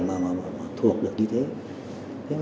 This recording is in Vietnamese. mà thuộc được như thế